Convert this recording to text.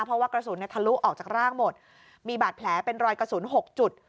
เพราะว่ากระสุนทะลุออกจากร่างหมดมีบาดแผลเป็นรอยกระสุน๖จุด